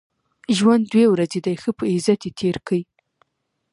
ژوند دوې ورځي دئ؛ ښه په عزت ئې تېر کئ!